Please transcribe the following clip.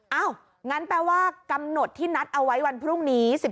งั้นแปลว่ากำหนดที่นัดเอาไว้วันพรุ่งนี้